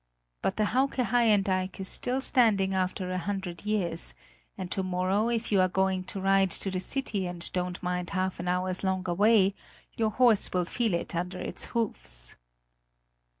But the Hauke Haien dike is still standing after a hundred years, and to morrow, if you are going to ride to the city and don't mind half an hour's longer way, your horse will feel it under its hoofs.